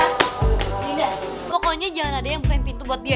rinda pokoknya jangan ada yang bukain pintu buat dia ya